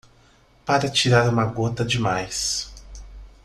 Para tirar uma gota demais